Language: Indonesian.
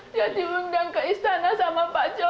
dia diundang ke istana sama pak jokowi